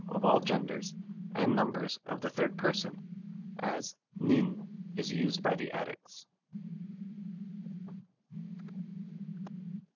of all genders and numbers of the 3d person, as viv is used by the Attics.